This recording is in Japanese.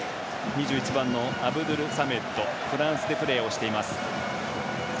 ２１番のアブドゥルサメッドフランスでプレーをしています。